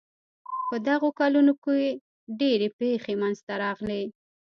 په دغو کلونو کې ډېرې پېښې منځته راغلې.